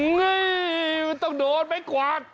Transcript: มันต้องโดนไม่กวาด